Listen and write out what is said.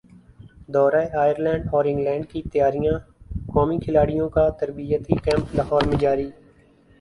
دورہ ائرلینڈ اور انگلینڈ کی تیاریاںقومی کھلاڑیوں کا تربیتی کیمپ لاہور میں جاری